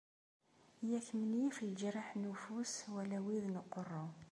Yak menyif leǧraḥ n ufus wala wid n uqerru.